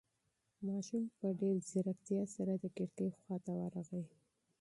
ماشوم په ډېر مهارت سره د کړکۍ خواته ورغی.